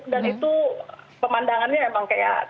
dan itu pemandangannya emang kayak